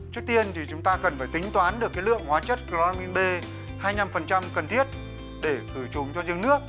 trước tiên thì chúng ta cần phải tính toán được cái lượng hóa chất chlorimin b hai mươi năm cần thiết để khử trùng cho riêng nước